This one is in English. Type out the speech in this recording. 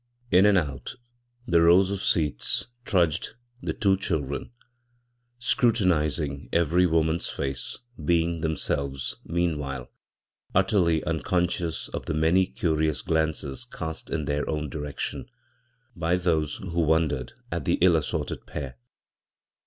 In and out the rows of seats trudged the two children, scrutinizing every woman's face, being themselves, meanwhile, utterly uncon scious of the many curious glances cast in their own direction by those who wondered at the ill assorted pair.